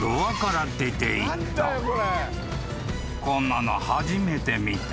［こんなの初めて見た］